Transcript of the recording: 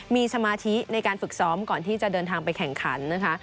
มีสมาธิในการฝึกซ้อมก่อนที่จะเดินทางไปแข่งขันนะคะ